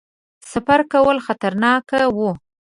سفر کول خطرناک وو.